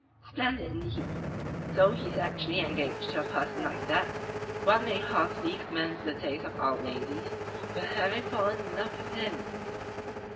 "Splendid indeed! So he is actually engaged to a person like that? One may heartily commend the taste of our ladies for having fallen in love with him!"